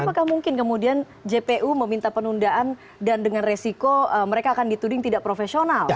apakah mungkin kemudian jpu meminta penundaan dan dengan resiko mereka akan dituding tidak profesional